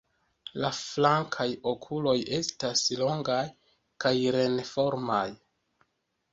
La flankaj okuloj estas longaj kaj ren-formaj.